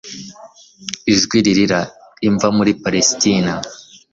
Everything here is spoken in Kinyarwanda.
ijwi ririra, imva muri palesitine